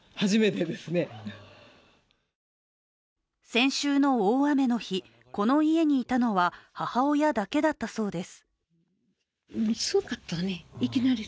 先週の大雨の日、この家にいたのは母親だけだったそうです。